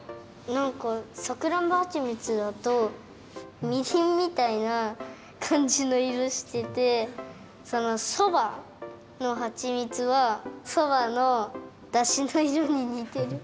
なんかさくらんぼはちみつだとみりんみたいなかんじのいろしててそばのはちみつはそばのだしのいろににてる。